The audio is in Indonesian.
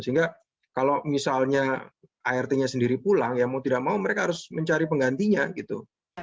sehingga kalau misalnya art nya sendiri pulang ya mau tidak mau mereka harus mencari penggantinya gitu